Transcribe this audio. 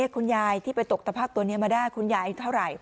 คุณยายที่ไปตกตะพักตัวนี้มาได้คุณยายเท่าไหร่